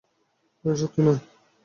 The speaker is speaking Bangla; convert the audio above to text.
এটা সত্যি নয়!